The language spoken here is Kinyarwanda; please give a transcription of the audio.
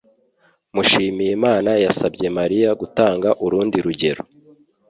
Mushimiyimana yasabye Mariya gutanga urundi rugero